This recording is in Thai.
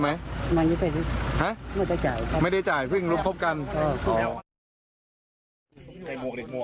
ไม่ได้จ่ายเพิ่งลุกพบกัน